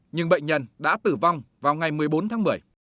nhưng bệnh nhân đã tử vong vào ngày một mươi bốn tháng một mươi